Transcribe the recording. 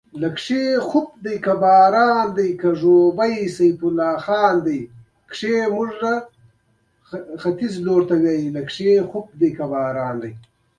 احمد ډېر شته او دولت لري، ځکه په هر ځای کې داسې زرمستي کوي.